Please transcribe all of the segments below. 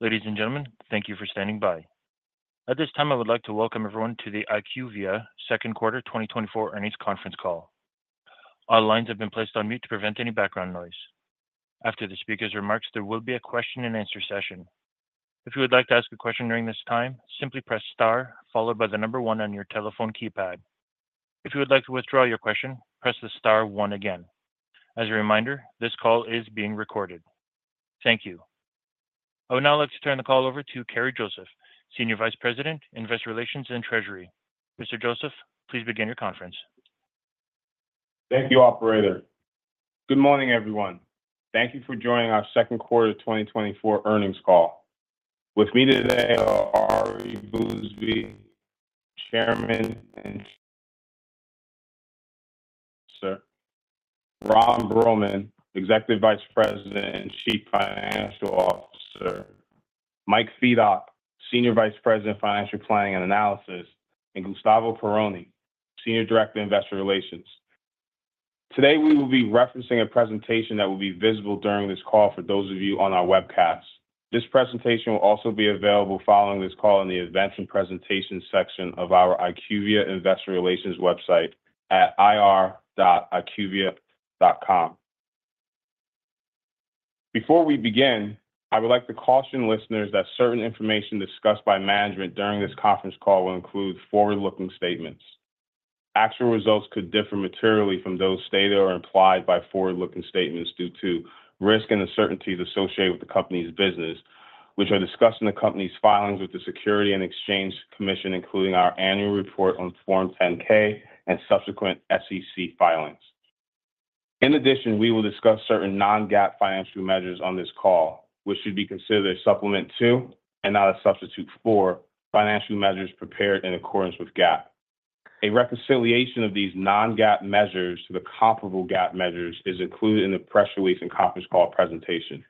Ladies and gentlemen, thank you for standing by. At this time, I would like to welcome everyone to the IQVIA Second Quarter 2024 Earnings Conference Call. All lines have been placed on mute to prevent any background noise. After the speaker's remarks, there will be a question-and-answer session. If you would like to ask a question during this time, simply press star followed by the number one on your telephone keypad. If you would like to withdraw your question, press the star one again. As a reminder, this call is being recorded. Thank you. I would now like to turn the call over to Kerri Joseph, Senior Vice President, Investor Relations and Treasury. Ms. Joseph, please begin your conference. Thank you, Operator. Good morning, everyone. Thank you for joining our Second Quarter 2024 Earnings Call. With me today are Ari Bousbib, Chairman and [Chief Executive Officer], Ron Bruehlman, Executive Vice President and Chief Financial Officer; Mike Fedak, Senior Vice President, Financial Planning and Analysis; and Gustavo Peroni, Senior Director, Investor Relations. Today, we will be referencing a presentation that will be visible during this call for those of you on our webcasts. This presentation will also be available following this call in the Events and Presentations section of our IQVIA Investor Relations website at ir.iqvia.com. Before we begin, I would like to caution listeners that certain information discussed by management during this conference call will include forward-looking statements. Actual results could differ materially from those stated or implied by forward-looking statements due to risk and uncertainties associated with the company's business, which are discussed in the company's filings with the Securities and Exchange Commission, including our annual report on Form 10-K and subsequent SEC filings. In addition, we will discuss certain non-GAAP financial measures on this call, which should be considered a supplement to, and not a substitute for, financial measures prepared in accordance with GAAP. A reconciliation of these non-GAAP measures to the comparable GAAP measures is included in the press release and conference call presentation.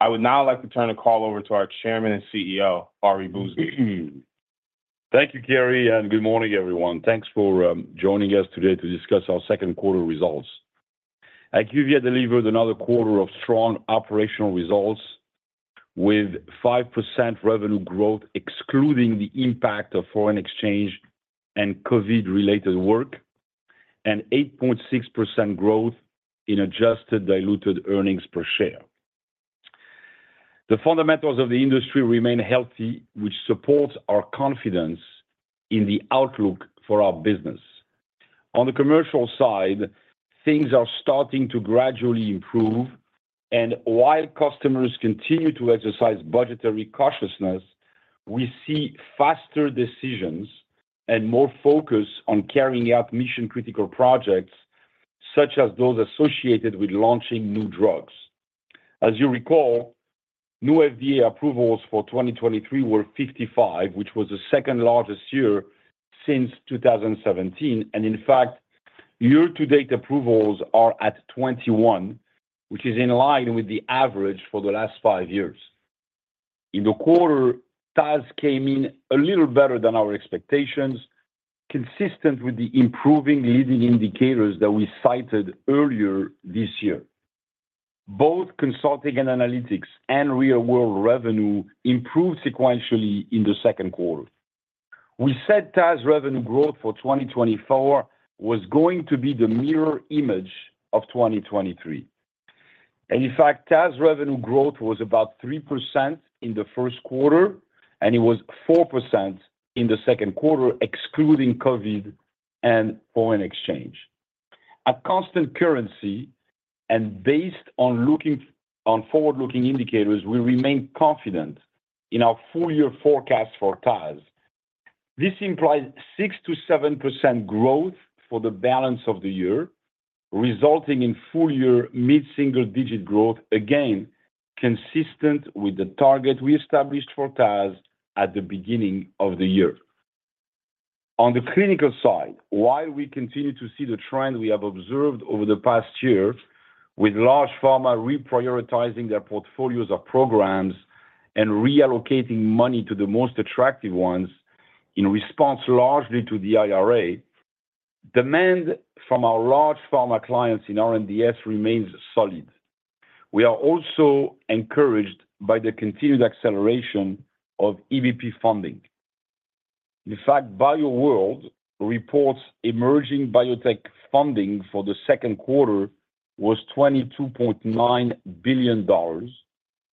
I would now like to turn the call over to our Chairman and CEO, Ari Bousbib. Thank you, Kerri, and good morning, everyone. Thanks for joining us today to discuss our second quarter results. IQVIA delivered another quarter of strong operational results with 5% revenue growth excluding the impact of foreign exchange and COVID-related work, and 8.6% growth in adjusted diluted earnings per share. The fundamentals of the industry remain healthy, which supports our confidence in the outlook for our business. On the commercial side, things are starting to gradually improve, and while customers continue to exercise budgetary cautiousness, we see faster decisions and more focus on carrying out mission-critical projects such as those associated with launching new drugs. As you recall, new FDA approvals for 2023 were 55, which was the second largest year since 2017, and in fact, year-to-date approvals are at 21, which is in line with the average for the last five years. In the quarter, TAS came in a little better than our expectations, consistent with the improving leading indicators that we cited earlier this year. Both consulting and analytics and real-world revenue improved sequentially in the second quarter. We said TAS revenue growth for 2024 was going to be the mirror image of 2023. And in fact, TAS revenue growth was about 3% in the first quarter, and it was 4% in the second quarter, excluding COVID and foreign exchange. At constant currency and based on forward-looking indicators, we remain confident in our full-year forecast for TAS. This implies 6%-7% growth for the balance of the year, resulting in full-year mid-single-digit growth, again, consistent with the target we established for TAS at the beginning of the year. On the clinical side, while we continue to see the trend we have observed over the past year, with large pharma reprioritizing their portfolios of programs and reallocating money to the most attractive ones in response largely to the IRA, demand from our large pharma clients in R&DS remains solid. We are also encouraged by the continued acceleration of EBP funding. In fact, BioWorld reports emerging biotech funding for the second quarter was $22.9 billion,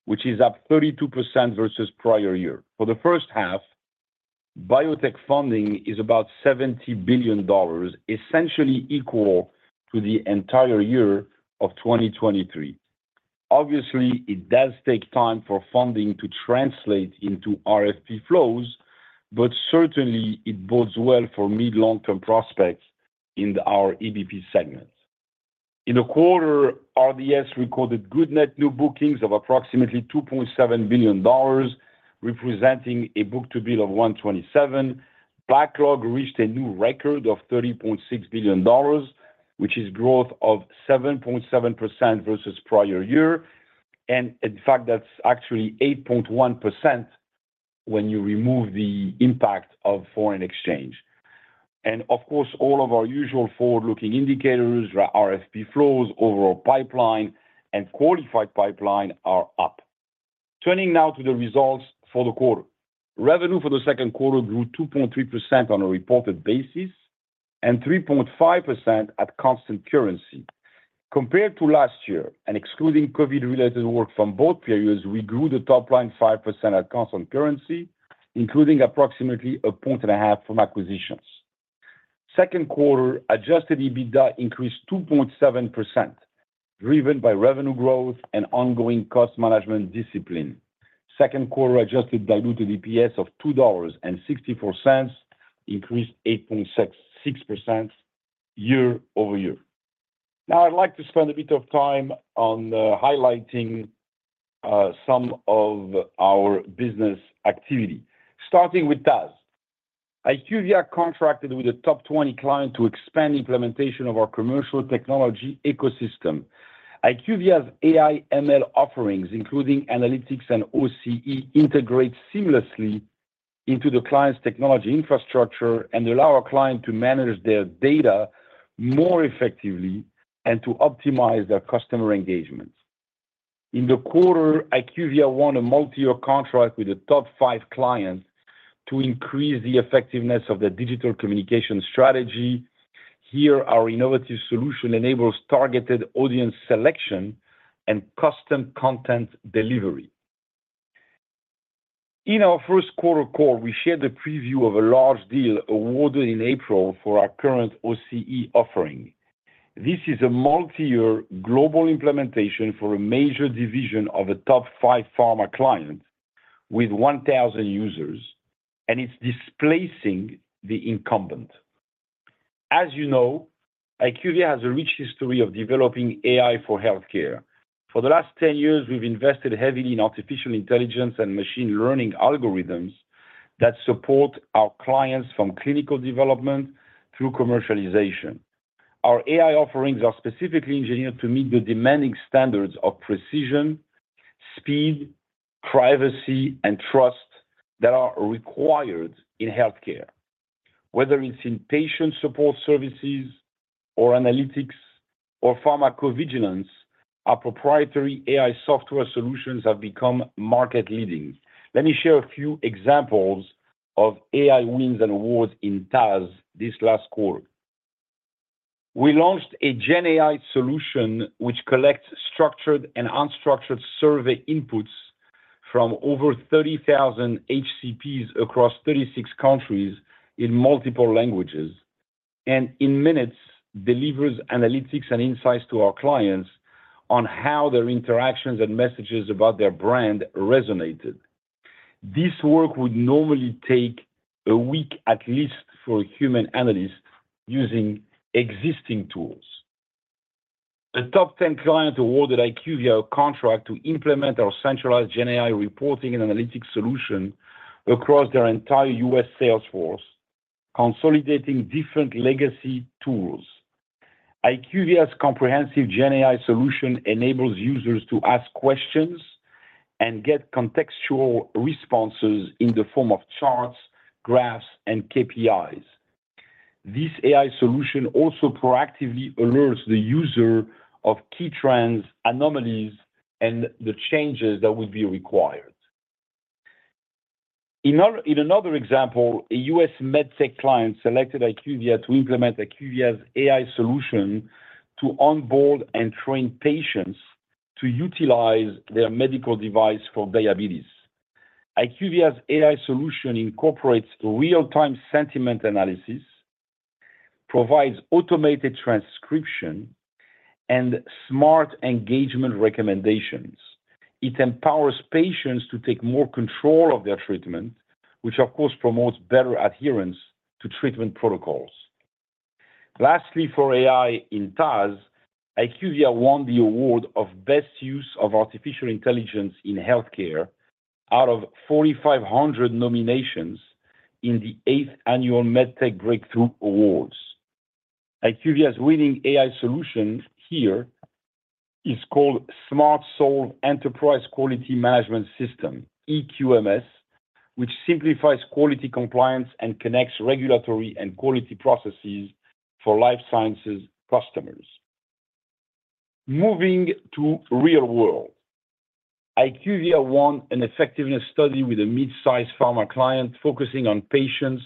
which is up 32% versus prior year. For the first half, biotech funding is about $70 billion, essentially equal to the entire year of 2023. Obviously, it does take time for funding to translate into RFP flows, but certainly, it bodes well for mid-long-term prospects in our EBP segment. In the quarter, R&DS recorded good net new bookings of approximately $2.7 billion, representing a book-to-bill of 1.27. Backlog reached a new record of $30.6 billion, which is growth of 7.7% versus prior year. And in fact, that's actually 8.1% when you remove the impact of foreign exchange. And of course, all of our usual forward-looking indicators, RFP flows, overall pipeline, and qualified pipeline are up. Turning now to the results for the quarter. Revenue for the second quarter grew 2.3% on a reported basis and 3.5% at constant currency. Compared to last year, and excluding COVID-related work from both periods, we grew the top line 5% at constant currency, including approximately a point and a half from acquisitions. Second quarter, Adjusted EBITDA increased 2.7%, driven by revenue growth and ongoing cost management discipline. Second quarter Adjusted diluted EPS of $2.64 increased 8.6% year-over-year. Now, I'd like to spend a bit of time on highlighting some of our business activity. Starting with TAS, IQVIA contracted with a top 20 client to expand implementation of our commercial technology ecosystem. IQVIA's AI/ML offerings, including analytics and OCE, integrate seamlessly into the client's technology infrastructure and allow our client to manage their data more effectively and to optimize their customer engagement. In the quarter, IQVIA won a multi-year contract with the top five clients to increase the effectiveness of their digital communication strategy. Here, our innovative solution enables targeted audience selection and custom content delivery. In our first quarter call, we shared the preview of a large deal awarded in April for our current OCE offering. This is a multi-year global implementation for a major division of the top five pharma clients with 1,000 users, and it's displacing the incumbent. As you know, IQVIA has a rich history of developing AI for healthcare. For the last 10 years, we've invested heavily in artificial intelligence and machine learning algorithms that support our clients from clinical development through commercialization. Our AI offerings are specifically engineered to meet the demanding standards of precision, speed, privacy, and trust that are required in healthcare. Whether it's in patient support services or analytics or pharmacovigilance, our proprietary AI software solutions have become market-leading. Let me share a few examples of AI wins and awards in TAS this last quarter. We launched a GenAI solution which collects structured and unstructured survey inputs from over 30,000 HCPs across 36 countries in multiple languages, and in minutes, delivers analytics and insights to our clients on how their interactions and messages about their brand resonated. This work would normally take a week at least for a human analyst using existing tools. A top 10 client awarded IQVIA a contract to implement our centralized GenAI reporting and analytics solution across their entire U.S. salesforce, consolidating different legacy tools. IQVIA's comprehensive GenAI solution enables users to ask questions and get contextual responses in the form of charts, graphs, and KPIs. This AI solution also proactively alerts the user of key trends, anomalies, and the changes that would be required. In another example, a US medtech client selected IQVIA to implement IQVIA's AI solution to onboard and train patients to utilize their medical device for diabetes. IQVIA's AI solution incorporates real-time sentiment analysis, provides automated transcription, and smart engagement recommendations. It empowers patients to take more control of their treatment, which of course promotes better adherence to treatment protocols. Lastly, for AI in TAS, IQVIA won the award of Best Use of Artificial Intelligence in Healthcare out of 4,500 nominations in the Eighth Annual Medtech Breakthrough Awards. IQVIA's winning AI solution here is called SmartSolve Enterprise Quality Management System, EQMS, which simplifies quality compliance and connects regulatory and quality processes for life sciences customers. Moving to real-world, IQVIA won an effectiveness study with a mid-size pharma client focusing on patients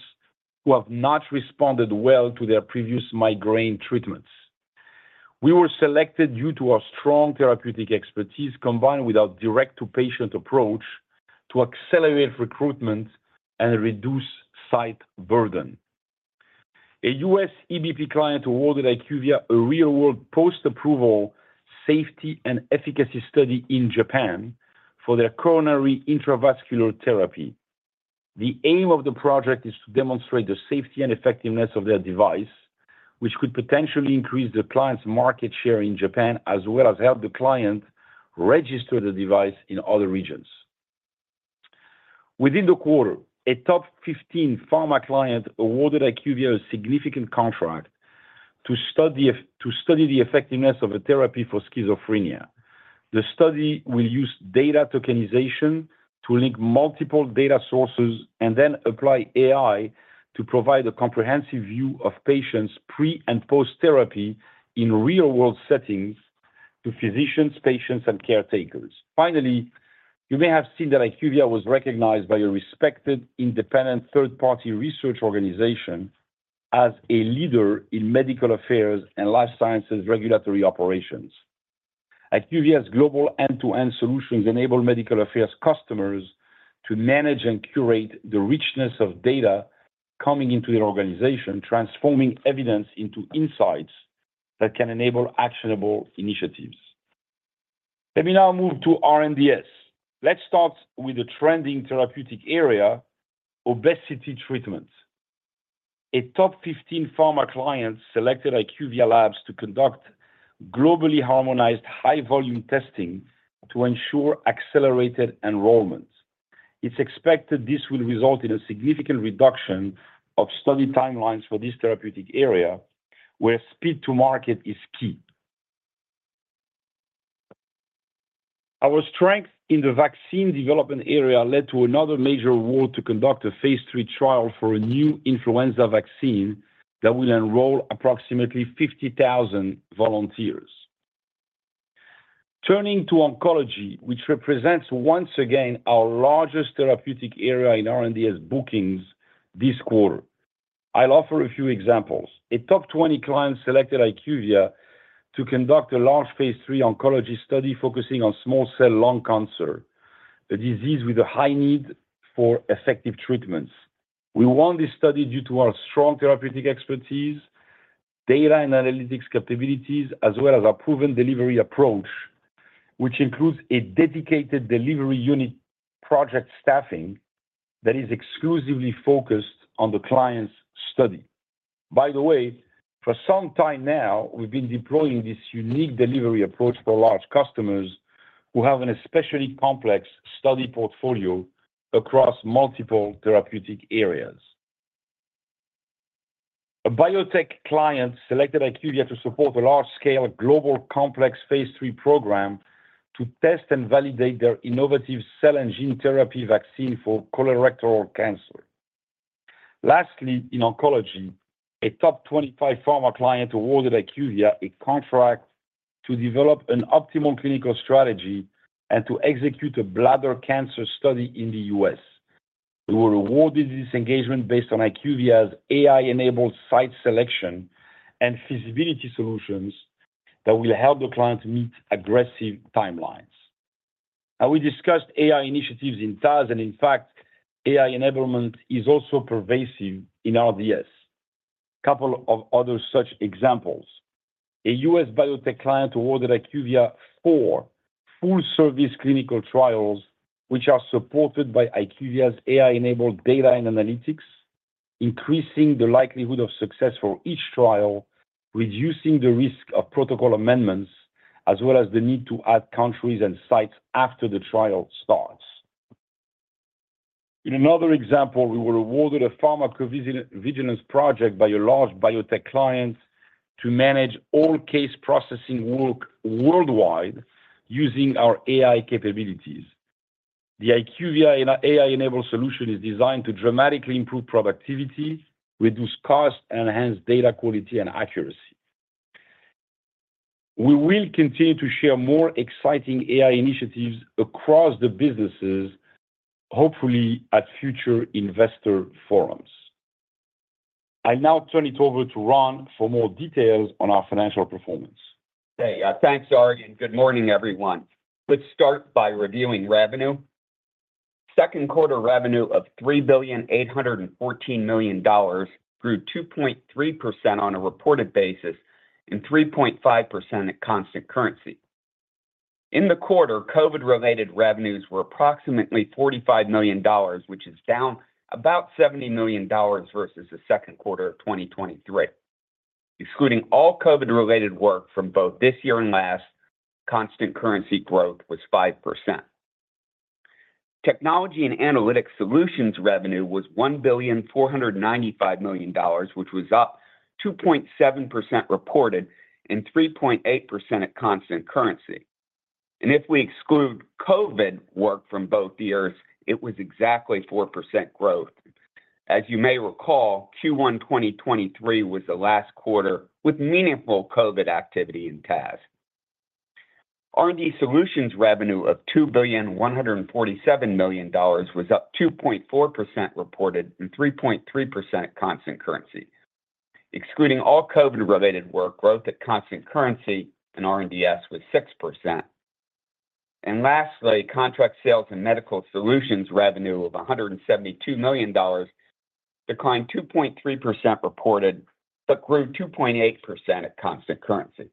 who have not responded well to their previous migraine treatments. We were selected due to our strong therapeutic expertise combined with our direct-to-patient approach to accelerate recruitment and reduce site burden. A U.S. EBP client awarded IQVIA a real-world post-approval safety and efficacy study in Japan for their coronary intravascular therapy. The aim of the project is to demonstrate the safety and effectiveness of their device, which could potentially increase the client's market share in Japan, as well as help the client register the device in other regions. Within the quarter, a top 15 pharma client awarded IQVIA a significant contract to study the effectiveness of a therapy for schizophrenia. The study will use data tokenization to link multiple data sources and then apply AI to provide a comprehensive view of patients' pre- and post-therapy in real-world settings to physicians, patients, and caretakers. Finally, you may have seen that IQVIA was recognized by a respected independent third-party research organization as a leader in medical affairs and life sciences regulatory operations. IQVIA's global end-to-end solutions enable medical affairs customers to manage and curate the richness of data coming into their organization, transforming evidence into insights that can enable actionable initiatives. Let me now move to R&DS. Let's start with a trending therapeutic area, obesity treatment. A top 15 pharma client selected IQVIA Labs to conduct globally harmonized high-volume testing to ensure accelerated enrollment. It's expected this will result in a significant reduction of study timelines for this therapeutic area, where speed to market is key. Our strength in the vaccine development area led to another major award to conduct a phase three trial for a new influenza vaccine that will enroll approximately 50,000 volunteers. Turning to oncology, which represents once again our largest therapeutic area in R&DS bookings this quarter, I'll offer a few examples. A top 20 client selected IQVIA to conduct a large phase three oncology study focusing on small cell lung cancer, a disease with a high need for effective treatments. We won this study due to our strong therapeutic expertise, data and analytics capabilities, as well as our proven delivery approach, which includes a dedicated delivery unit project staffing that is exclusively focused on the client's study. By the way, for some time now, we've been deploying this unique delivery approach for large customers who have an especially complex study portfolio across multiple therapeutic areas. A biotech client selected IQVIA to support a large-scale global complex phase three program to test and validate their innovative cell and gene therapy vaccine for colorectal cancer. Lastly, in oncology, a top 25 pharma client awarded IQVIA a contract to develop an optimal clinical strategy and to execute a bladder cancer study in the U.S. We were awarded this engagement based on IQVIA's AI-enabled site selection and feasibility solutions that will help the client meet aggressive timelines. Now, we discussed AI initiatives in TAS, and in fact, AI enablement is also pervasive in R&DS. A couple of other such examples. A U.S. biotech client awarded IQVIA four full-service clinical trials, which are supported by IQVIA's AI-enabled data and analytics, increasing the likelihood of success for each trial, reducing the risk of protocol amendments, as well as the need to add countries and sites after the trial starts. In another example, we were awarded a pharmacovigilance project by a large biotech client to manage all case processing work worldwide using our AI capabilities. The IQVIA AI-enabled solution is designed to dramatically improve productivity, reduce cost, and enhance data quality and accuracy. We will continue to share more exciting AI initiatives across the businesses, hopefully at future investor forums. I'll now turn it over to Ron for more details on our financial performance. Okay. Thanks, Ari. Good morning, everyone. Let's start by reviewing revenue. Second quarter revenue of $3.814 billion grew 2.3% on a reported basis and 3.5% at constant currency. In the quarter, COVID-related revenues were approximately $45 million, which is down about $70 million versus the second quarter of 2023. Excluding all COVID-related work from both this year and last, constant currency growth was 5%. Technology & Analytics Solutions revenue was $1.495 billion, which was up 2.7% reported and 3.8% at constant currency. And if we exclude COVID work from both years, it was exactly 4% growth. As you may recall, Q1 2023 was the last quarter with meaningful COVID activity in TAS. R&DS revenue of $2.147 billion was up 2.4% reported and 3.3% at constant currency. Excluding all COVID-related work, growth at constant currency in R&DS was 6%. Lastly, Contract Sales & Medical Solutions revenue of $172 million declined 2.3% reported, but grew 2.8% at constant currency.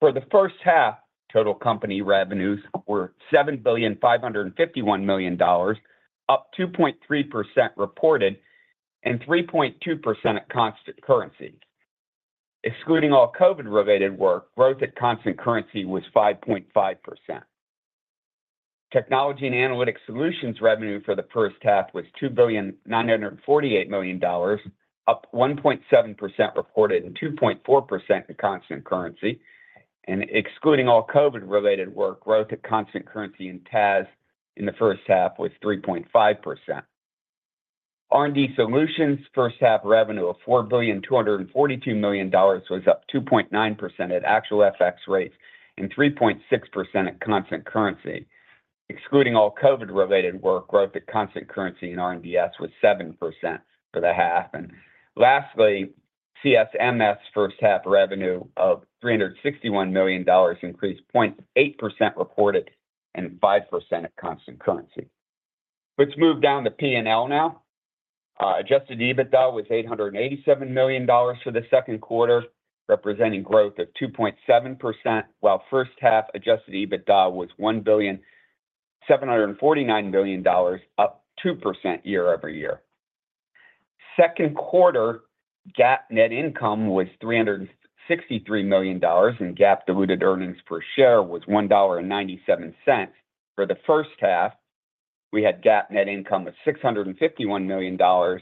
For the first half, total company revenues were $7.551 billion, up 2.3% reported and 3.2% at constant currency. Excluding all COVID-related work, growth at constant currency was 5.5%. Technology & Analytics Solutions revenue for the first half was $2.948 billion, up 1.7% reported and 2.4% in constant currency. Excluding all COVID-related work, growth at constant currency in TAS in the first half was 3.5%. R&D Solutions first half revenue of $4.l242 billion was up 2.9% at actual FX rates and 3.6% at constant currency. Excluding all COVID-related work, growth at constant currency in R&DS was 7% for the half. Lastly, CSMS first half revenue of $361 million increased 0.8% reported and 5% at constant currency. Let's move down to P&L now. Adjusted EBITDA was $887 million for the second quarter, representing growth of 2.7%, while first half adjusted EBITDA was $1.749 billion, up 2% year-over-year. Second quarter GAAP net income was $363 million, and GAAP diluted earnings per share was $1.97. For the first half, we had GAAP net income of $651 million, or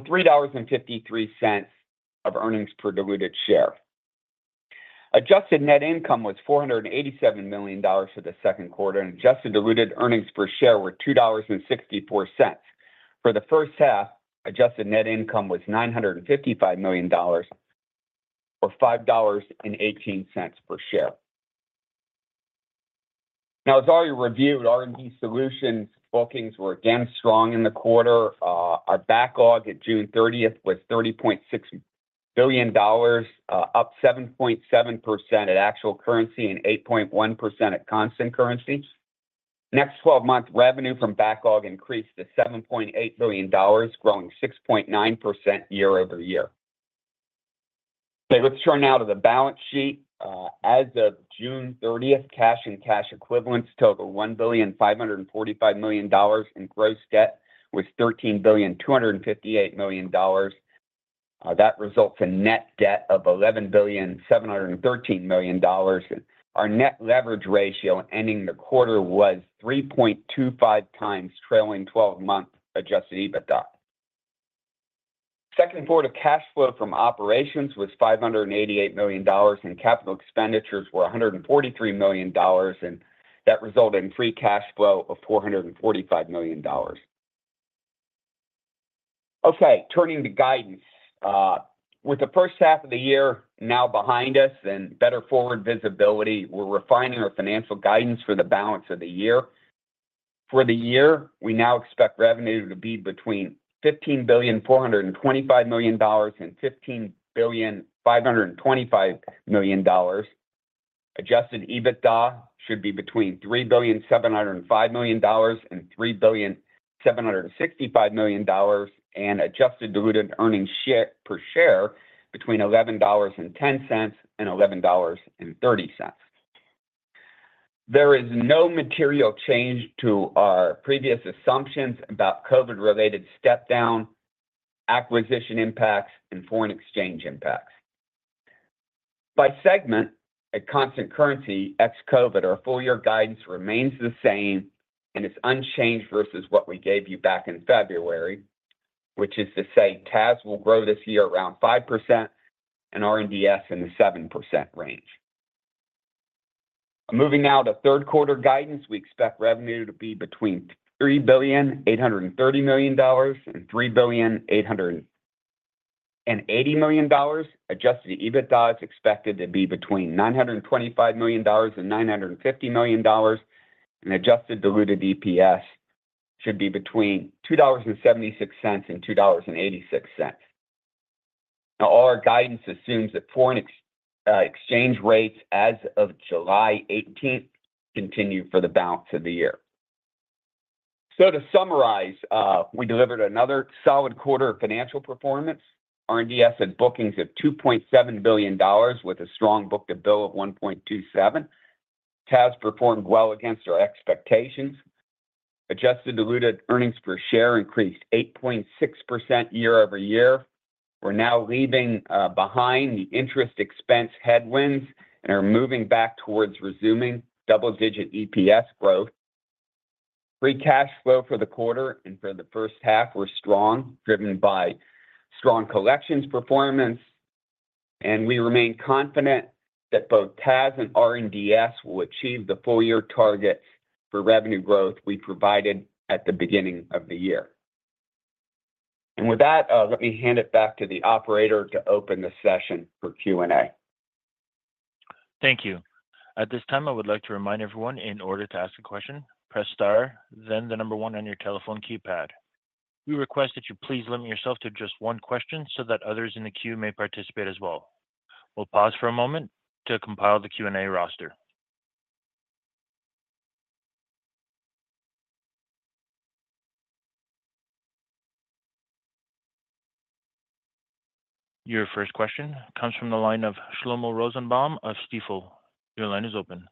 $3.53 of earnings per diluted share. Adjusted net income was $487 million for the second quarter, and adjusted diluted earnings per share were $2.64. For the first half, adjusted net income was $955 million, or $5.18 per share. Now, as already reviewed, R&D solutions bookings were again strong in the quarter. Our backlog at June 30th was $30.6 billion, up 7.7% at actual currency and 8.1% at constant currency. Next 12-month revenue from backlog increased to $7.8 billion, growing 6.9% year-over-year. Okay, let's turn now to the balance sheet. As of June 30th, cash and cash equivalents total $1.545 billion in gross debt, which is $13,258 million. That results in net debt of $11.713 billion. Our net leverage ratio ending the quarter was 3.25 times trailing 12-month adjusted EBITDA. Second quarter cash flow from operations was $588 million, and capital expenditures were $143 million, and that resulted in free cash flow of $445 million. Okay, turning to guidance. With the first half of the year now behind us and better forward visibility, we're refining our financial guidance for the balance of the year. For the year, we now expect revenue to be between $15.425 billion and $15.525 billion. Adjusted EBITDA should be between $3.705 billion and $3.765 billion, and adjusted diluted earnings per share between $11.10 and $11.30. There is no material change to our previous assumptions about COVID-related step-down acquisition impacts and foreign exchange impacts. By segment, at constant currency ex-COVID, our full-year guidance remains the same and is unchanged versus what we gave you back in February, which is to say TAS will grow this year around 5% and R&DS in the 7% range. Moving now to third quarter guidance, we expect revenue to be between $3.830 billion and $3.880 billion. Adjusted EBITDA is expected to be between $925 million and $950 million, and adjusted diluted EPS should be between $2.76 and $2.86. Now, all our guidance assumes that foreign exchange rates as of July 18th continue for the balance of the year. So to summarize, we delivered another solid quarter of financial performance. R&DS had bookings of $2.7 billion with a strong book-to-bill of 1.27. TAS performed well against our expectations. Adjusted diluted earnings per share increased 8.6% year-over-year. We're now leaving behind the interest expense headwinds and are moving back towards resuming double-digit EPS growth. Free cash flow for the quarter and for the first half were strong, driven by strong collections performance, and we remain confident that both TAS and R&DS will achieve the full-year targets for revenue growth we provided at the beginning of the year. And with that, let me hand it back to the operator to open the session for Q&A. Thank you. At this time, I would like to remind everyone, in order to ask a question, press star, then the number one on your telephone keypad. We request that you please limit yourself to just one question so that others in the queue may participate as well. We'll pause for a moment to compile the Q&A roster. Your first question comes from the line of Shlomo Rosenbaum of Stifel. Your line is open.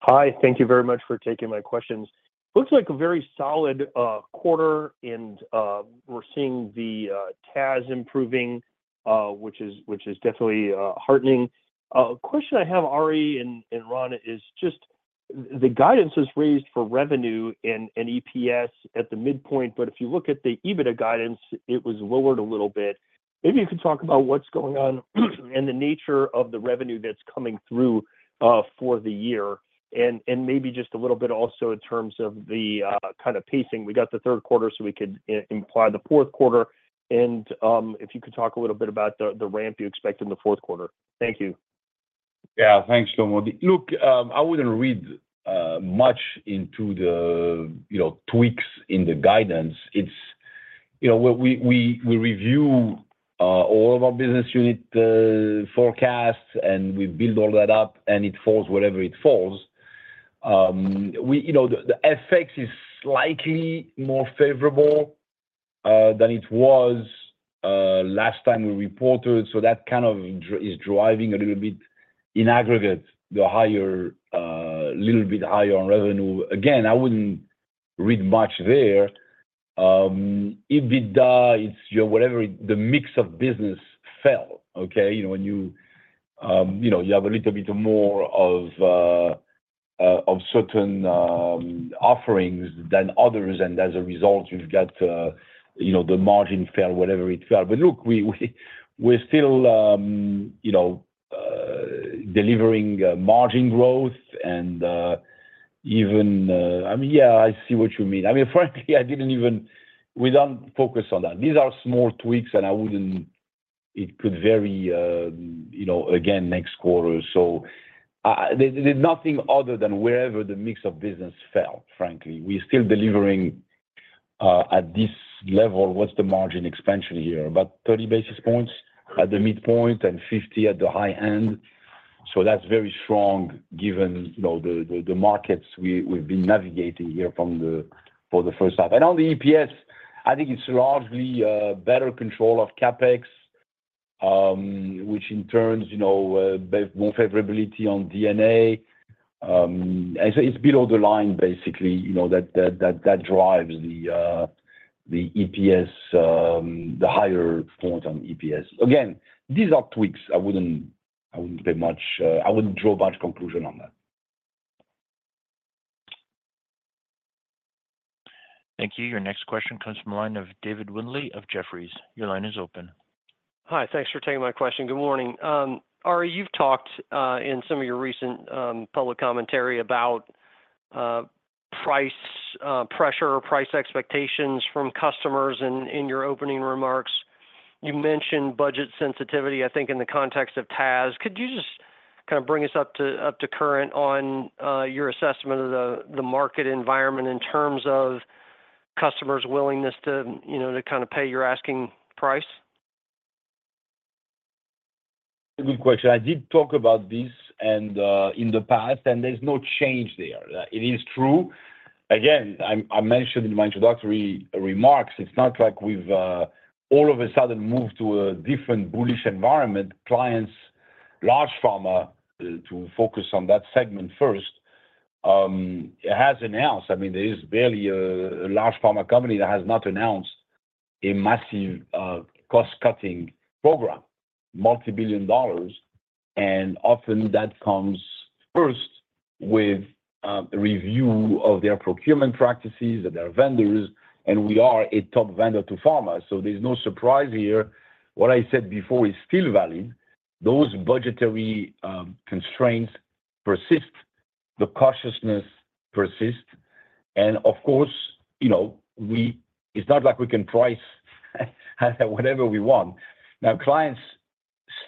Hi, thank you very much for taking my questions. Looks like a very solid quarter, and we're seeing the TAS improving, which is definitely heartening. A question I have, Ari and Ron, is just the guidance is raised for revenue and EPS at the midpoint, but if you look at the EBITDA guidance, it was lowered a little bit. Maybe you could talk about what's going on and the nature of the revenue that's coming through for the year, and maybe just a little bit also in terms of the kind of pacing. We got the third quarter, so we could imply the fourth quarter. And if you could talk a little bit about the ramp you expect in the fourth quarter. Thank you. Yeah, thanks, Shlomo. Look, I wouldn't read much into the tweaks in the guidance. We review all of our business unit forecasts, and we build all that up, and it falls wherever it falls. The FX is slightly more favorable than it was last time we reported, so that kind of is driving a little bit in aggregate the little bit higher on revenue. Again, I wouldn't read much there. EBITDA, it's whatever the mix of business fell, okay? When you have a little bit more of certain offerings than others, and as a result, you've got the margin fell, whatever it fell. But look, we're still delivering margin growth, and even, I mean, yeah, I see what you mean. I mean, frankly, I didn't even we don't focus on that. These are small tweaks, and I wouldn't it could vary, again, next quarter. So there's nothing other than wherever the mix of business fell, frankly. We're still delivering at this level. What's the margin expansion here? About 30 basis points at the midpoint and 50 at the high end. So that's very strong given the markets we've been navigating here for the first half. And on the EPS, I think it's largely better control of CapEx, which in turn more favorability on D&A. It's below the line, basically, that drives the EPS, the higher point on EPS. Again, these are tweaks. I wouldn't pay much I wouldn't draw much conclusion on that. Thank you. Your next question comes from the line of David Windley of Jefferies. Your line is open. Hi, thanks for taking my question. Good morning. Ari, you've talked in some of your recent public commentary about price pressure, price expectations from customers in your opening remarks. You mentioned budget sensitivity, I think, in the context of TAS. Could you just kind of bring us up to current on your assessment of the market environment in terms of customers' willingness to kind of pay your asking price? Good question. I did talk about this in the past, and there's no change there. It is true. Again, I mentioned in my introductory remarks, it's not like we've all of a sudden moved to a different bullish environment. Clients, large pharma. To focus on that segment first. It has announced. I mean, there is barely a large pharma company that has not announced a massive cost-cutting program, multi-billion dollars, and often that comes first with a review of their procurement practices and their vendors, and we are a top vendor to pharma. So there's no surprise here. What I said before is still valid. Those budgetary constraints persist. The cautiousness persists. Of course, it's not like we can price whatever we want. Now, clients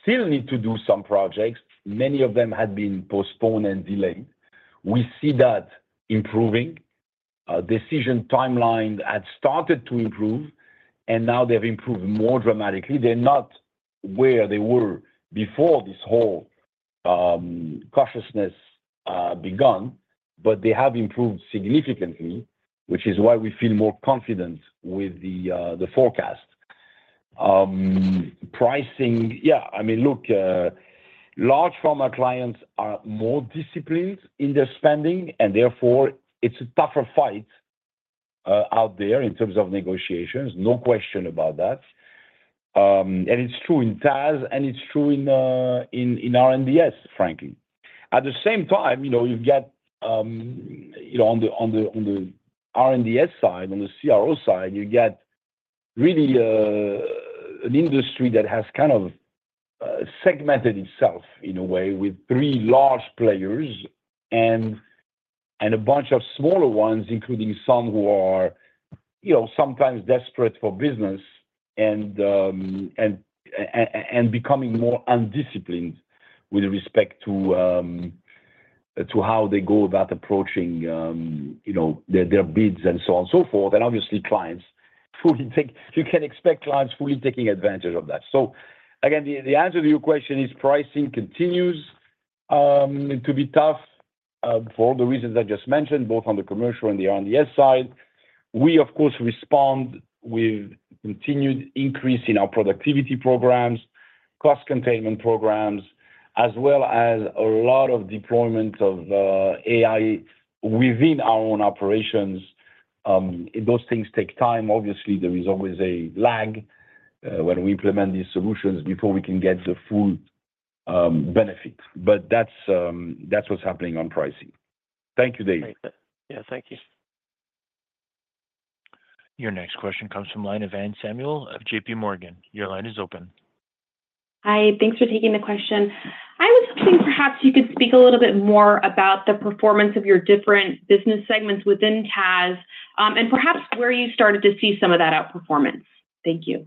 still need to do some projects. Many of them had been postponed and delayed. We see that improving. Decision timeline had started to improve, and now they've improved more dramatically. They're not where they were before this whole cautiousness began, but they have improved significantly, which is why we feel more confident with the forecast. Pricing, yeah. I mean, look, large pharma clients are more disciplined in their spending, and therefore it's a tougher fight out there in terms of negotiations. No question about that. And it's true in TAS, and it's true in R&DS, frankly. At the same time, you've got on the R&DS side, on the CRO side, you get really an industry that has kind of segmented itself in a way with three large players and a bunch of smaller ones, including some who are sometimes desperate for business and becoming more undisciplined with respect to how they go about approaching their bids and so on and so forth. And obviously, clients, you can expect clients fully taking advantage of that. So again, the answer to your question is pricing continues to be tough for all the reasons I just mentioned, both on the commercial and the R&DS side. We, of course, respond with continued increase in our productivity programs, cost containment programs, as well as a lot of deployment of AI within our own operations. Those things take time. Obviously, there is always a lag when we implement these solutions before we can get the full benefit. But that's what's happening on pricing. Thank you, Dave. Yeah, thank you. Your next question comes from the line of Anne Samuel of JPMorgan. Your line is open. Hi, thanks for taking the question. I was hoping perhaps you could speak a little bit more about the performance of your different business segments within TAS and perhaps where you started to see some of that outperformance. Thank you.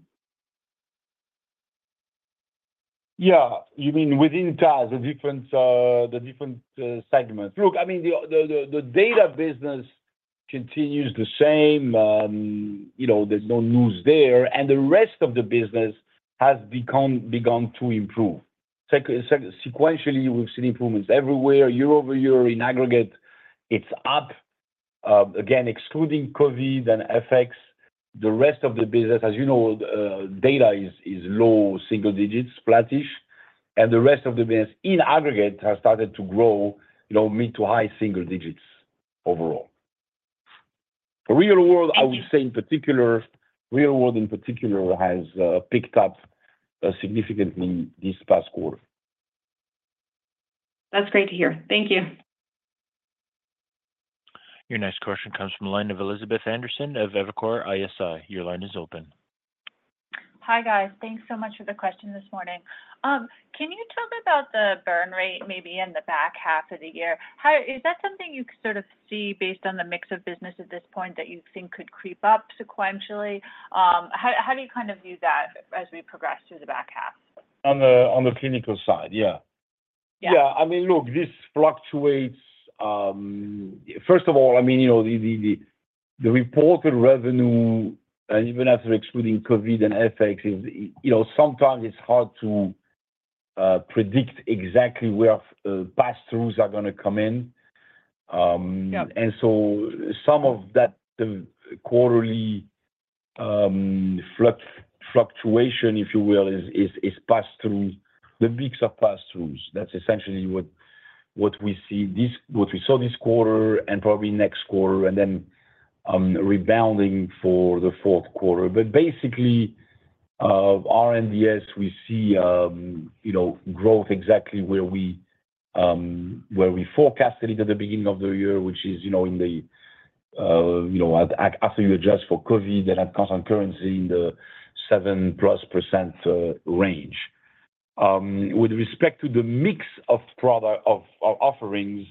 Yeah, you mean within TAS, the different segments. Look, I mean, the data business continues the same. There's no news there. And the rest of the business has begun to improve. Sequentially, we've seen improvements everywhere. Year-over-year, in aggregate, it's up. Again, excluding COVID and FX, the rest of the business, as you know, data is low single digits, flattish. The rest of the business in aggregate has started to grow mid- to high-single-digits overall. Real world, I would say in particular, real world in particular has picked up significantly this past quarter. That's great to hear. Thank you. Your next question comes from the line of Elizabeth Anderson of Evercore ISI. Your line is open. Hi, guys. Thanks so much for the question this morning. Can you talk about the burn rate maybe in the back half of the year? Is that something you sort of see based on the mix of business at this point that you think could creep up sequentially? How do you kind of view that as we progress through the back half? On the clinical side, yeah. Yeah, I mean, look, this fluctuates. First of all, I mean, the reported revenue, and even after excluding COVID and FX, sometimes it's hard to predict exactly where pass-throughs are going to come in. And so some of that quarterly fluctuation, if you will, is pass-throughs. The mix of pass-throughs. That's essentially what we see, what we saw this quarter and probably next quarter, and then rebounding for the fourth quarter. But basically, R&DS, we see growth exactly where we forecasted it at the beginning of the year, which is, after you adjust for COVID and FX, on constant currency in the 7%+ range. With respect to the mix of offerings,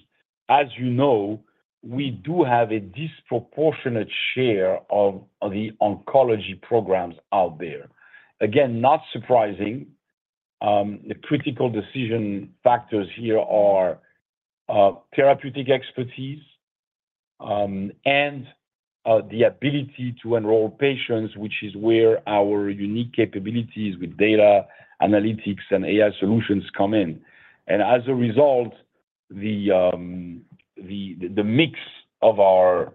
as you know, we do have a disproportionate share of the oncology programs out there. Again, not surprising. The critical decision factors here are therapeutic expertise and the ability to enroll patients, which is where our unique capabilities with data analytics and AI solutions come in. And as a result, the mix of our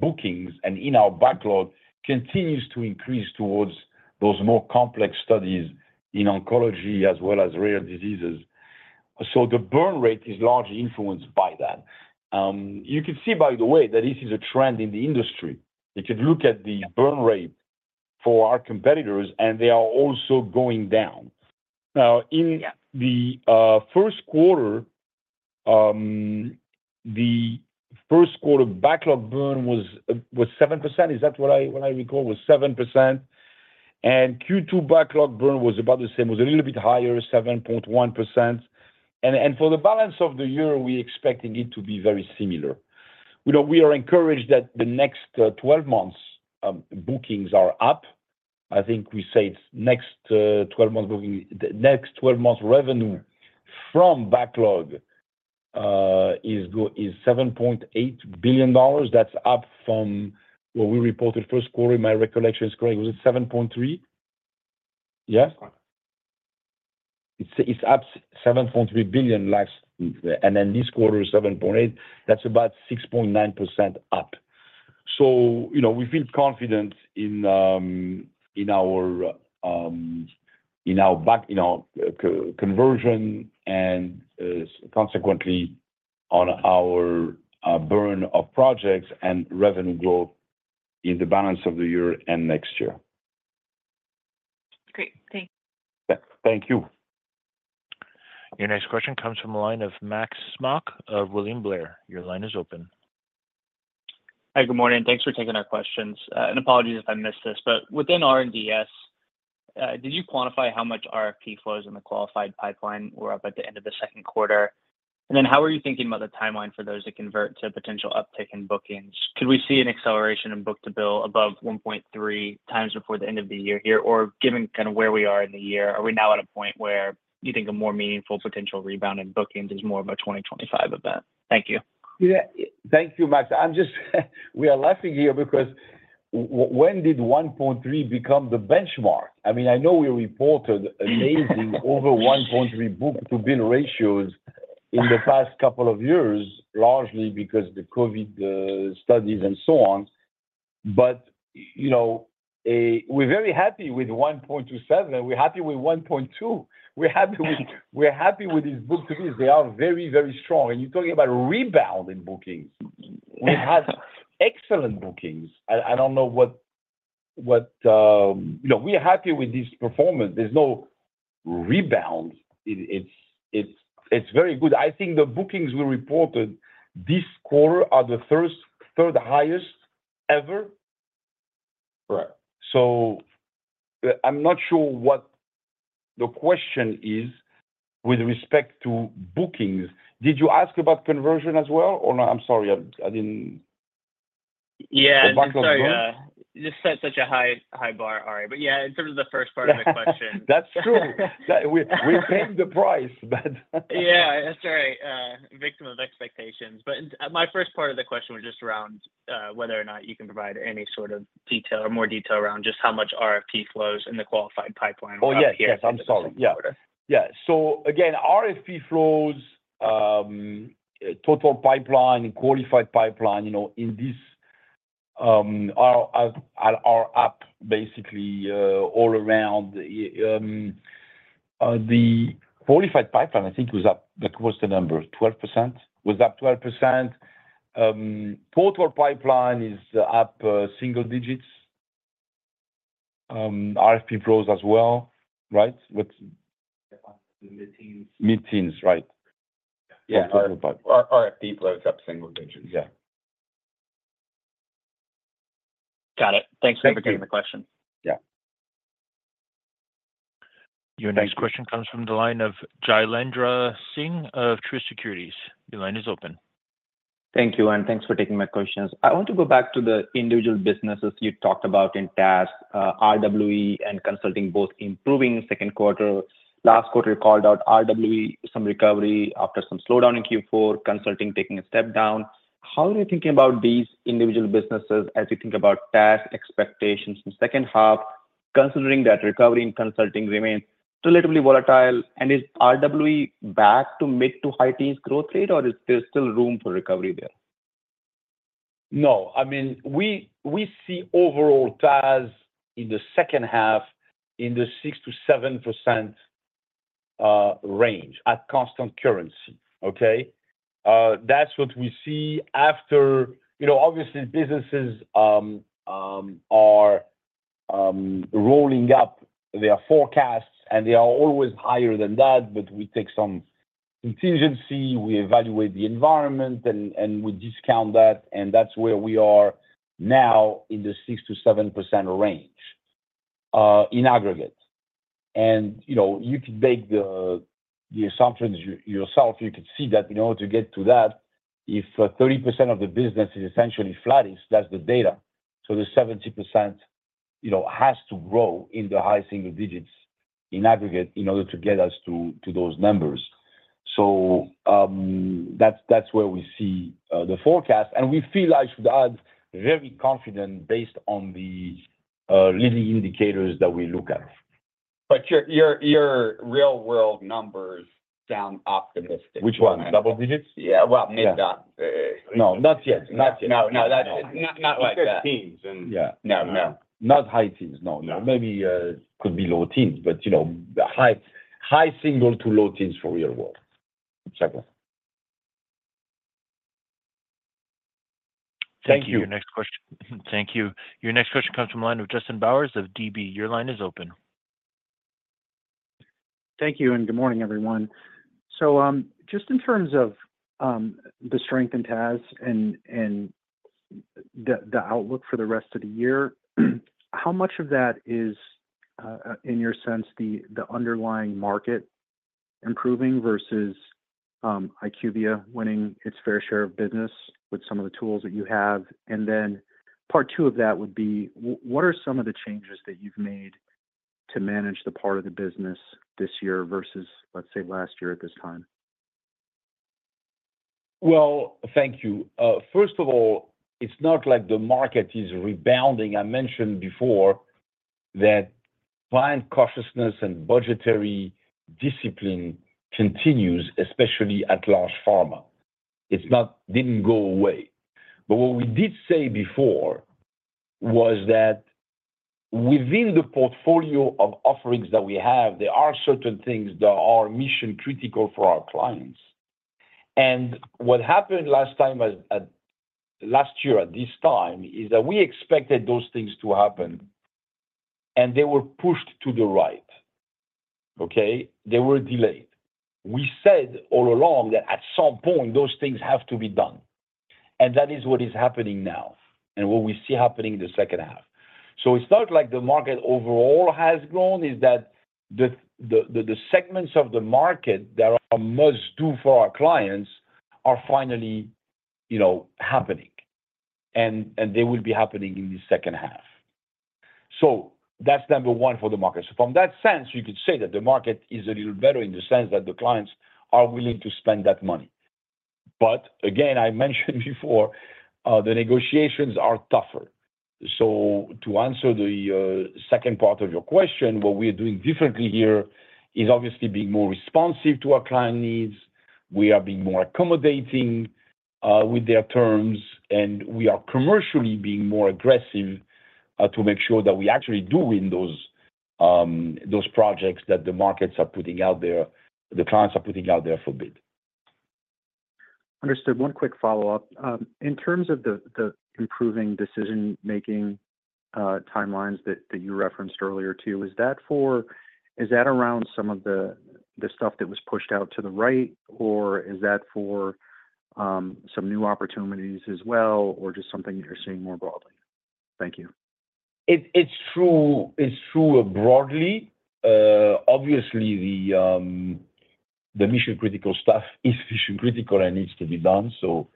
bookings and in our backlog continues to increase towards those more complex studies in oncology as well as rare diseases. So the burn rate is largely influenced by that. You can see, by the way, that this is a trend in the industry. You can look at the burn rate for our competitors, and they are also going down. Now, in the first quarter, the first quarter backlog burn was 7%. Is that what I recall? Was 7%. And Q2 backlog burn was about the same, was a little bit higher, 7.1%. And for the balance of the year, we're expecting it to be very similar. We are encouraged that the next 12 months' bookings are up. I think we say it's next 12 months' booking, next 12 months' revenue from backlog is $7.8 billion. That's up from what we reported first quarter. My recollection is correct. Was it 7.3? Yes? It's up 7.3 billion last, and then this quarter is 7.8. That's about 6.9% up. So we feel confident in our conversion and consequently on our burn of projects and revenue growth in the balance of the year and next year. Great. Thank you. Thank you. Your next question comes from the line of Max Smock of William Blair. Your line is open. Hi, good morning. Thanks for taking our questions. And apologies if I missed this, but within R&DS, did you quantify how much RFP flows in the qualified pipeline were up at the end of the second quarter? Then how are you thinking about the timeline for those that convert to potential uptick in bookings? Could we see an acceleration in book-to-bill above 1.3x before the end of the year here, or given kind of where we are in the year, are we now at a point where you think a more meaningful potential rebound in bookings is more of a 2025 event? Thank you. Thank you, Max. We are laughing here because when did 1.3 become the benchmark? I mean, I know we reported amazing over 1.3 book-to-bill ratios in the past couple of years, largely because of the COVID studies and so on. But we're very happy with 1.27. We're happy with 1.2. We're happy with these book-to-bills. They are very, very strong. And you're talking about rebound in bookings. We've had excellent bookings. I don't know what we're happy with this performance. There's no rebound. It's very good. I think the bookings we reported this quarter are the third highest ever. So I'm not sure what the question is with respect to bookings. Did you ask about conversion as well? Or no, I'm sorry. I didn't. Yeah, sorry. You set such a high bar, Ari. But yeah, in terms of the first part of the question. That's true. We paid the price, but. Yeah, sorry. Victim of expectations. But my first part of the question was just around whether or not you can provide any sort of detail or more detail around just how much RFP flows in the qualified pipeline around here. Oh, yes. Yes, I'm sorry. Yeah. Yeah. So again, RFP flows, total pipeline, qualified pipeline in this are up basically all around. The qualified pipeline, I think it was up. What's the number? 12%? Was up 12%. Total pipeline is up single digits. RFP flows as well, right? Mid-teens. Mid-teens, right. Yeah, total pipeline. RFP flows up single digits. Yeah. Got it. Thanks for taking the question. Yeah. Your next question comes from the line of Jailendra Singh of Truist Securities. Your line is open. Thank you, and thanks for taking my questions. I want to go back to the individual businesses you talked about in TAS, RWE, and consulting, both improving second quarter. Last quarter, you called out RWE, some recovery after some slowdown in Q4, consulting taking a step down. How are you thinking about these individual businesses as you think about TAS expectations in the second half, considering that recovery in consulting remains relatively volatile? And is RWE back to mid to high-teens growth rate, or is there still room for recovery there? No. I mean, we see overall TAS in the second half in the 6%-7% range at constant currency, okay? That's what we see after. Obviously, businesses are rolling up their forecasts, and they are always higher than that, but we take some contingency. We evaluate the environment, and we discount that. And that's where we are now in the 6%-7% range in aggregate. And you could make the assumptions yourself. You could see that in order to get to that, if 30% of the business is essentially flattish, that's the data. So the 70% has to grow in the high single digits in aggregate in order to get us to those numbers. So that's where we see the forecast. And we feel, I should add, very confident based on the leading indicators that we look at. But your real-world numbers sound optimistic. Which one? Double digits? Yeah. Well, maybe not. No, not yet. Not yet. Not like that. Not high teens. Yeah. No, no. Not high teens. No, no. Maybe it could be low teens, but high single to low teens for real world. Second. Thank you. Thank you. Your next question comes from the line of Justin Bowers of DB. Your line is open. Thank you. And good morning, everyone. So just in terms of the strength in TAS and the outlook for the rest of the year, how much of that is, in your sense, the underlying market improving versus IQVIA winning its fair share of business with some of the tools that you have? And then part two of that would be, what are some of the changes that you've made to manage the part of the business this year versus, let's say, last year at this time? Well, thank you. First of all, it's not like the market is rebounding. I mentioned before that client cautiousness and budgetary discipline continues, especially at large pharma. It didn't go away. But what we did say before was that within the portfolio of offerings that we have, there are certain things that are mission-critical for our clients. And what happened last year at this time is that we expected those things to happen, and they were pushed to the right. Okay? They were delayed. We said all along that at some point, those things have to be done. And that is what is happening now and what we see happening in the second half. So it's not like the market overall has grown. It's that the segments of the market that are a must-do for our clients are finally happening, and they will be happening in the second half. So that's number one for the market. So from that sense, you could say that the market is a little better in the sense that the clients are willing to spend that money. But again, I mentioned before, the negotiations are tougher. So to answer the second part of your question, what we are doing differently here is obviously being more responsive to our client needs. We are being more accommodating with their terms, and we are commercially being more aggressive to make sure that we actually do win those projects that the markets are putting out there, the clients are putting out there for bid. Understood. One quick follow-up. In terms of the improving decision-making timelines that you referenced earlier too, is that around some of the stuff that was pushed out to the right, or is that for some new opportunities as well, or just something that you're seeing more broadly? Thank you. It's true broadly. Obviously, the mission-critical stuff is mission-critical and needs to be done. So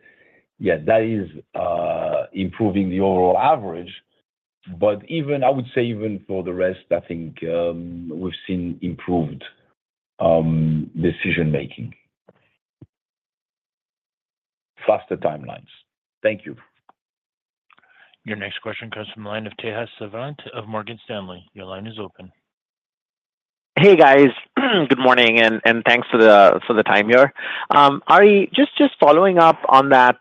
yeah, that is improving the overall average. But I would say even for the rest, I think we've seen improved decision-making. Faster timelines. Thank you. Your next question comes from the line of Tejas Savant of Morgan Stanley. Your line is open. Hey, guys. Good morning, and thanks for the time here. Ari, just following up on that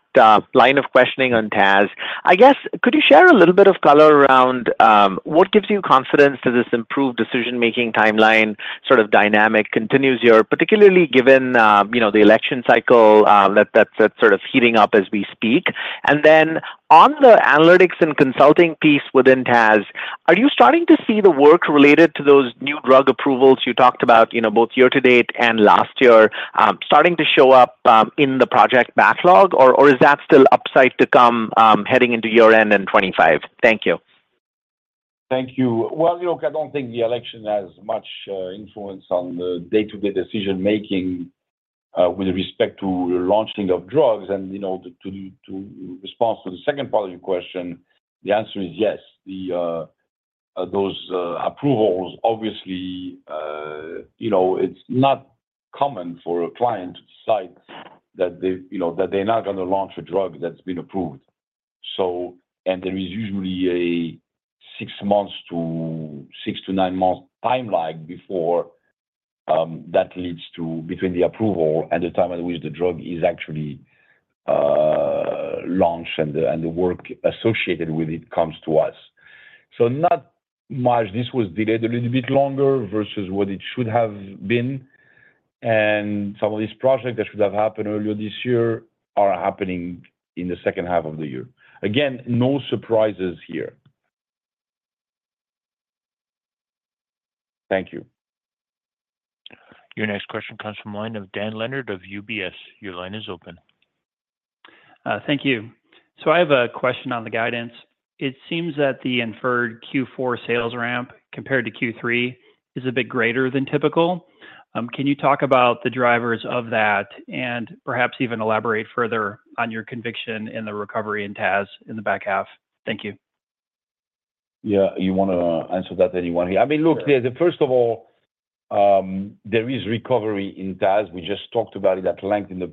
line of questioning on TAS, I guess, could you share a little bit of color around what gives you confidence that this improved decision-making timeline sort of dynamic continues here, particularly given the election cycle that's sort of heating up as we speak? And then on the analytics and consulting piece within TAS, are you starting to see the work related to those new drug approvals you talked about, both year-to-date and last year, starting to show up in the project backlog, or is that still upside to come heading into year-end and 2025? Thank you. Thank you. Well, look, I don't think the election has much influence on the day-to-day decision-making with respect to launching of drugs. And to respond to the second part of your question, the answer is yes. Those approvals, obviously, it's not common for a client to decide that they're not going to launch a drug that's been approved. And there is usually a six months to six to nine month timeline before that leads to between the approval and the time at which the drug is actually launched and the work associated with it comes to us. So not much. This was delayed a little bit longer versus what it should have been. And some of these projects that should have happened earlier this year are happening in the second half of the year. Again, no surprises here. Thank you. Your next question comes from the line of Dan Leonard of UBS. Your line is open. Thank you. So I have a question on the guidance. It seems that the inferred Q4 sales ramp compared to Q3 is a bit greater than typical. Can you talk about the drivers of that and perhaps even elaborate further on your conviction in the recovery in TAS in the back half? Thank you. Yeah. You want to answer that anyway? I mean, look, first of all, there is recovery in TAS. We just talked about it at length in the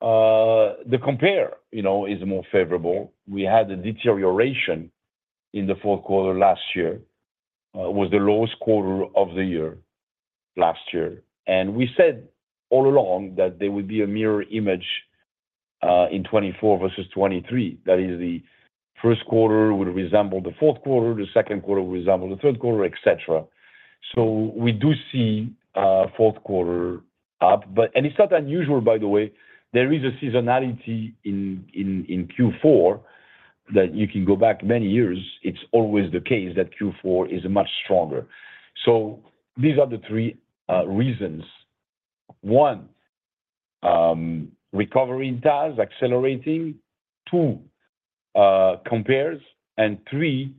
past few questions, so that's understandable. Secondly, the compare is more favorable. We had a deterioration in the fourth quarter last year with the lowest quarter of the year last year. We said all along that there would be a mirror image in 2024 versus 2023. That is, the first quarter would resemble the fourth quarter, the second quarter would resemble the third quarter, etc. So we do see fourth quarter up. And it's not unusual, by the way. There is a seasonality in Q4 that you can go back many years. It's always the case that Q4 is much stronger. So these are the three reasons. One, recovery in TAS accelerating. Two, compares. And three,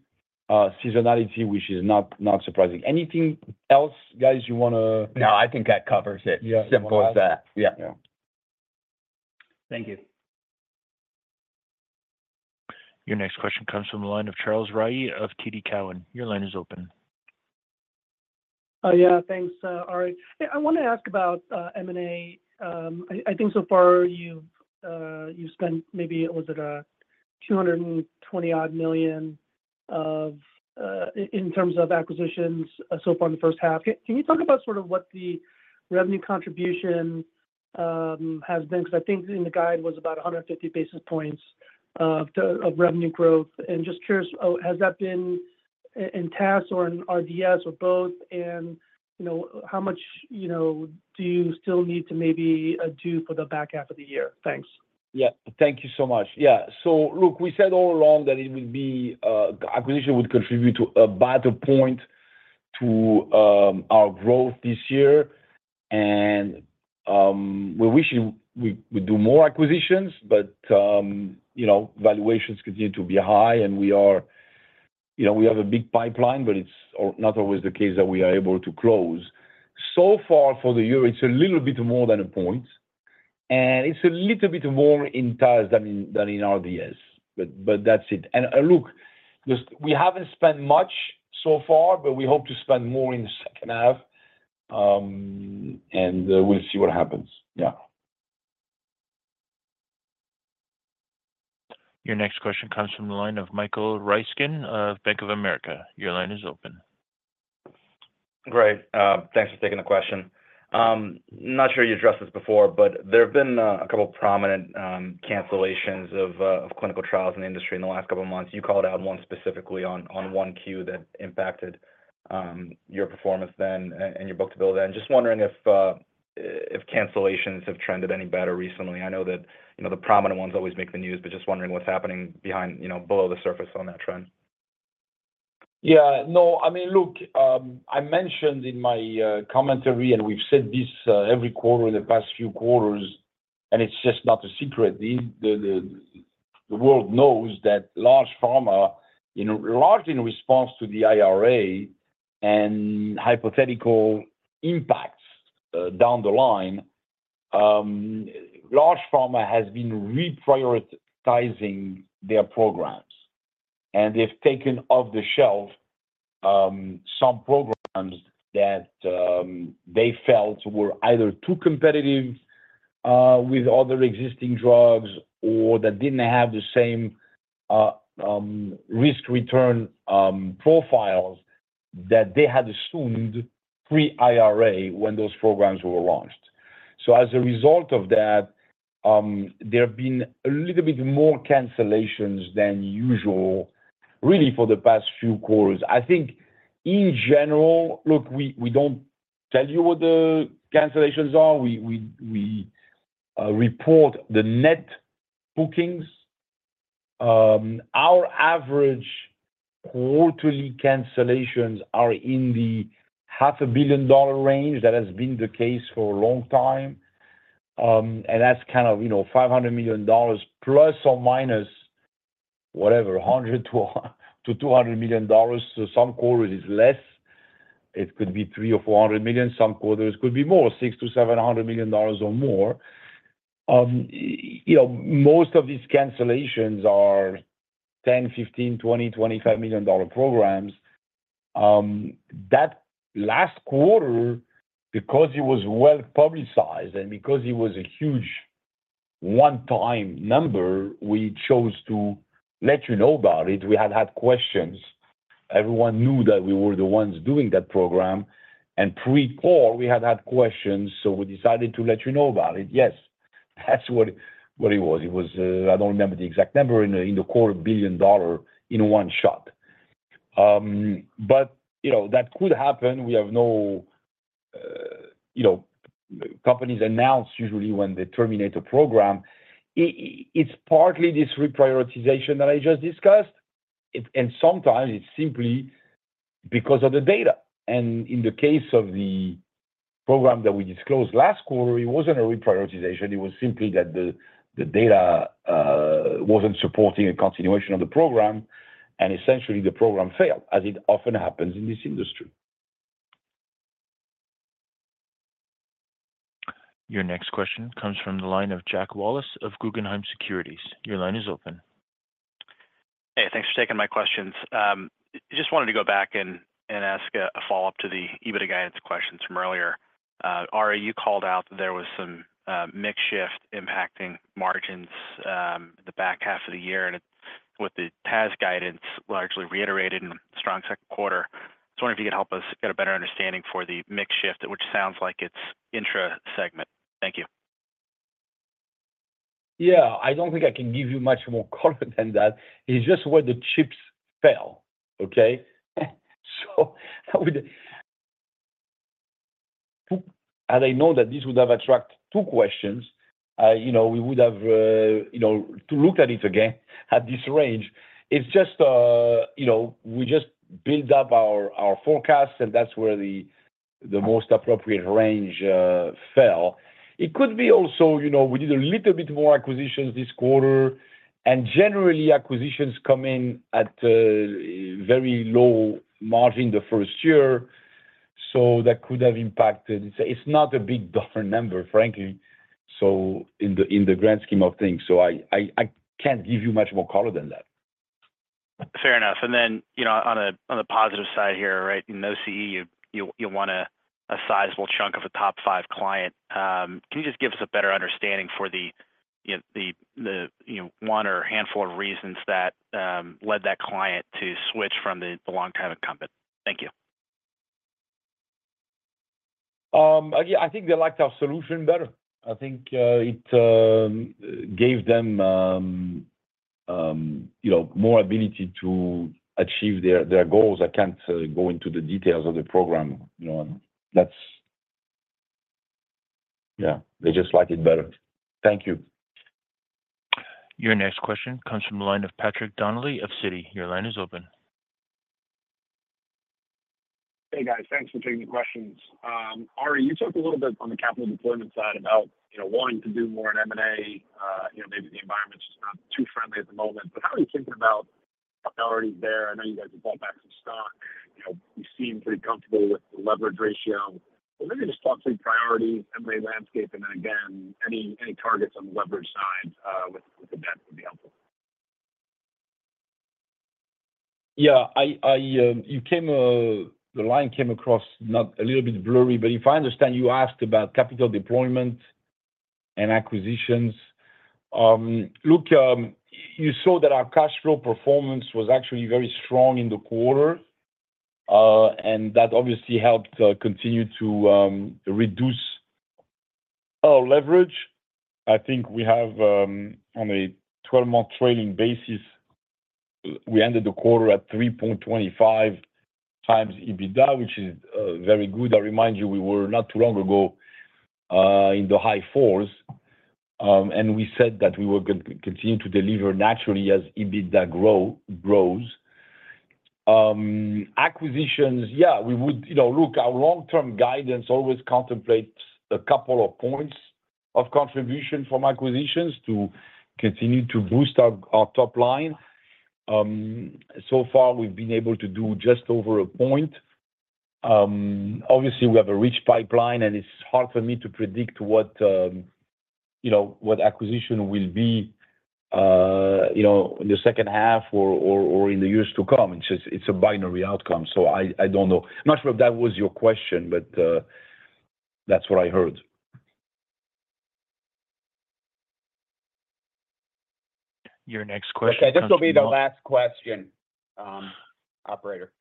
seasonality, which is not surprising. Anything else, guys, you want to? No, I think that covers it. Simple as that. Yeah. Thank you. Your next question comes from the line of Charles Rhyee of TD Cowen. Your line is open. Yeah. Thanks, Ari. I want to ask about M&A. I think so far you've spent maybe, was it $220-odd million in terms of acquisitions so far in the first half. Can you talk about sort of what the revenue contribution has been? Because I think in the guide was about 150 basis points of revenue growth. And just curious, has that been in TAS or in R&DS or both? And how much do you still need to maybe do for the back half of the year? Thanks. Yeah. Thank you so much. Yeah. So look, we said all along that acquisition would contribute to a better point to our growth this year. And we wish we would do more acquisitions, but valuations continue to be high, and we have a big pipeline, but it's not always the case that we are able to close. So far for the year, it's a little bit more than a point. And it's a little bit more in TAS than in R&DS, but that's it. And look, we haven't spent much so far, but we hope to spend more in the second half, and we'll see what happens. Yeah. Your next question comes from the line of Michael Ryskin of Bank of America. Your line is open. Great. Thanks for taking the question. Not sure you addressed this before, but there have been a couple of prominent cancellations of clinical trials in the industry in the last couple of months. You called out one specifically on IQVIA that impacted your performance then and your book-to-bill then. Just wondering if cancellations have trended any better recently. I know that the prominent ones always make the news, but just wondering what's happening below the surface on that trend. Yeah. No, I mean, look, I mentioned in my commentary, and we've said this every quarter in the past few quarters, and it's just not a secret. The world knows that large pharma, largely in response to the IRA and hypothetical impacts down the line, large pharma has been reprioritizing their programs. They've taken off the shelf some programs that they felt were either too competitive with other existing drugs or that didn't have the same risk-return profiles that they had assumed pre-IRA when those programs were launched. As a result of that, there have been a little bit more cancellations than usual, really, for the past few quarters. I think, in general, look, we don't tell you what the cancellations are. We report the net bookings. Our average quarterly cancellations are in the $500 million range that has been the case for a long time. And that's kind of $500 million plus or minus whatever, $100 million-$200 million. Some quarters it's less. It could be $300 million or $400 million. Some quarters could be more, $600 million-$700 million or more. Most of these cancellations are $10 million, $15 million, $20 million, $25 million programs. That last quarter, because it was well-publicized and because it was a huge one-time number, we chose to let you know about it. We had had questions. Everyone knew that we were the ones doing that program. And pre-quarter, we had had questions, so we decided to let you know about it. Yes. That's what it was. I don't remember the exact number, $250 million in one shot. But that could happen. We have no companies announce usually when they terminate a program. It's partly this reprioritization that I just discussed. And sometimes it's simply because of the data. And in the case of the program that we disclosed last quarter, it wasn't a reprioritization. It was simply that the data wasn't supporting a continuation of the program. And essentially, the program failed, as it often happens in this industry. Your next question comes from the line of Jack Wallace of Guggenheim Securities. Your line is open. Hey, thanks for taking my questions. Just wanted to go back and ask a follow-up to the EBITDA guidance questions from earlier. Ari, you called out that there was some mix shift impacting margins the back half of the year, and with the TAS guidance largely reiterated and strong second quarter. I was wondering if you could help us get a better understanding for the mix shift, which sounds like it's intra-segment. Thank you. Yeah. I don't think I can give you much more color than that. It's just where the chips fell. Okay? So as you know that this would have attracted two questions, we would have to look at it again at this range. It's just we just built up our forecast, and that's where the most appropriate range fell. It could be also we did a little bit more acquisitions this quarter. Generally, acquisitions come in at very low margin the first year. So that could have impacted. It's not a big dollar number, frankly, in the grand scheme of things. So I can't give you much more color than that. Fair enough. Then on the positive side here, right, in OCE, you want a sizable chunk of a top five client. Can you just give us a better understanding for the one or handful of reasons that led that client to switch from the long-time incumbent? Thank you. I think they liked our solution better. I think it gave them more ability to achieve their goals. I can't go into the details of the program. Yeah. They just liked it better. Thank you. Your next question comes from the line of Patrick Donnelly of Citi. Your line is open. Hey, guys. Thanks for taking the questions. Ari, you talked a little bit on the capital deployment side about wanting to do more in M&A. Maybe the environment's just not too friendly at the moment. But how are you thinking about priorities there? I know you guys have bought back some stock. You seem pretty comfortable with the leverage ratio. But maybe just talk through priorities, M&A landscape, and then again, any targets on the leverage side with the debt would be helpful. Yeah. The line came across a little bit blurry, but if I understand, you asked about capital deployment and acquisitions. Look, you saw that our cash flow performance was actually very strong in the quarter, and that obviously helped continue to reduce our leverage. I think we have, on a 12-month trailing basis, we ended the quarter at 3.25x EBITDA, which is very good. I remind you, we were not too long ago in the high fours. We said that we were going to continue to deliver naturally as EBITDA grows. Acquisitions, yeah, we would look. Our long-term guidance always contemplates a couple of points of contribution from acquisitions to continue to boost our top line. So far, we've been able to do just over a point. Obviously, we have a rich pipeline, and it's hard for me to predict what acquisition will be in the second half or in the years to come. It's a binary outcome. So I don't know. Not sure if that was your question, but that's what I heard. Your next question. Okay. This will be the last question, operator.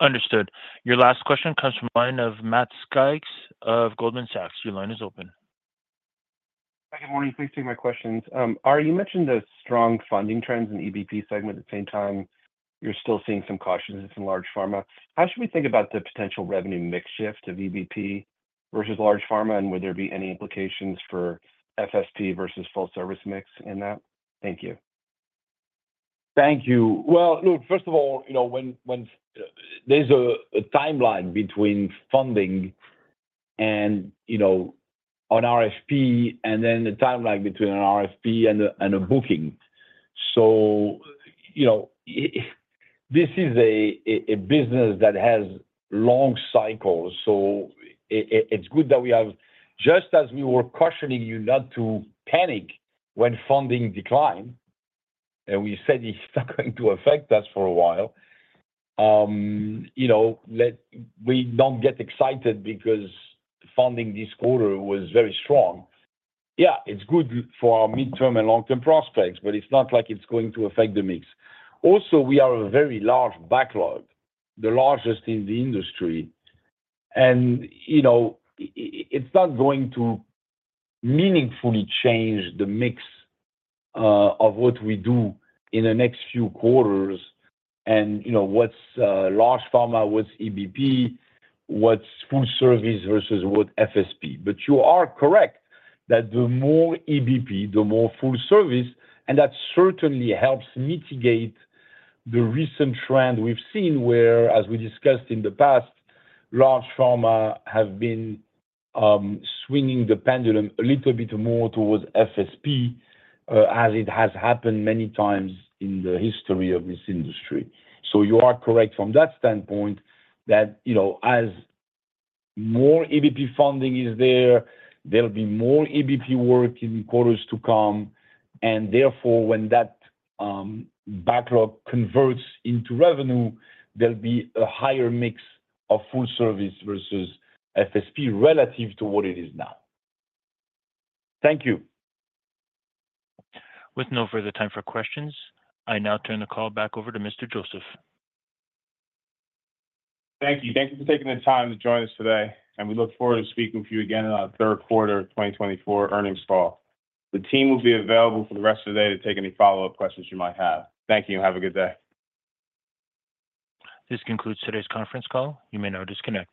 Understood. Your last question comes from the line of Matt Sykes of Goldman Sachs. Your line is open. Hi, good morning. Please take my questions. Ari, you mentioned the strong funding trends in EBP segment. At the same time, you're still seeing some cautions in large pharma. How should we think about the potential revenue mix shift of EBP versus large pharma, and would there be any implications for FSP versus full-service mix in that? Thank you. Thank you. Well, look, first of all, there's a timeline between funding and RFP and then a timeline between an RFP and a booking. So this is a business that has long cycles. So it's good that we have, just as we were cautioning you not to panic when funding declined, and we said it's not going to affect us for a while, we don't get excited because funding this quarter was very strong. Yeah, it's good for our midterm and long-term prospects, but it's not like it's going to affect the mix. Also, we have a very large backlog, the largest in the industry. And it's not going to meaningfully change the mix of what we do in the next few quarters and what's large pharma, what's EBP, what's full-service versus what FSP. But you are correct that the more EBP, the more full-service. And that certainly helps mitigate the recent trend we've seen where, as we discussed in the past, large pharma have been swinging the pendulum a little bit more towards FSP, as it has happened many times in the history of this industry. So you are correct from that standpoint that as more EBP funding is there, there'll be more EBP work in quarters to come. Therefore, when that backlog converts into revenue, there'll be a higher mix of full-service versus FSP relative to what it is now. Thank you. With no further time for questions, I now turn the call back over to Mr. Joseph. Thank you. Thank you for taking the time to join us today. We look forward to speaking with you again in our third quarter of 2024 earnings call. The team will be available for the rest of the day to take any follow-up questions you might have. Thank you. Have a good day. This concludes today's conference call. You may now disconnect.